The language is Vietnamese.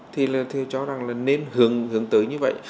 thì là theo chó rằng là nên hướng tới như vậy